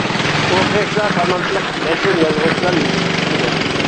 ئوخشاشلا تالانتلىق، مەشھۇر يازغۇچىلار يېتىشىپ چىقىدۇ.